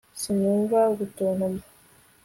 sinumva gutontoma